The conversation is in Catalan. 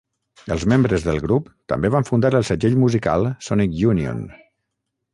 Els membres del grup també van fundar el segell musical Sonic Unyon.